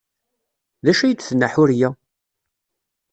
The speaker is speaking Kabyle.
D acu ay d-tenna Ḥuriya?